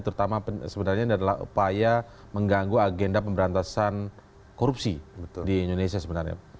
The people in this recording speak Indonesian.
terutama sebenarnya ini adalah upaya mengganggu agenda pemberantasan korupsi di indonesia sebenarnya